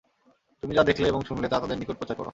তুমি যা দেখলে এবং শুনলে তা তাদের নিকট প্রচার কর।